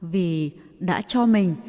vì đã cho mình